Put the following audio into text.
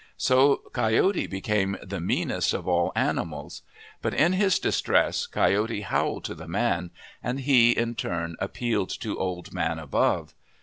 So Coyote became the meanest of all animals. But in his distress, Coyote howled to the man, and he, in turn, appealed to Old Man Above.